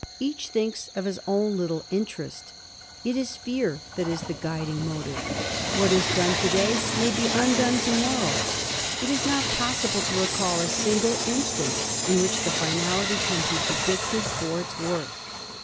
Each thinks of his own little interest. It is fear that is the guiding motive. What is done to day may be undone to morrow. It is not possible to recall a single instance in which the finality can be predicted for its work.